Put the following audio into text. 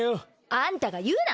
あんたが言うな！